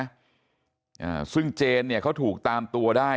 อ่าซึ่งเจนเนี่ยเขาถูกตามตัวได้